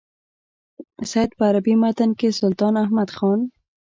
سید په عربي متن کې سلطان احمد خان.